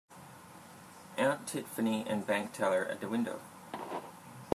Aunt Tiffany and bank teller at the window.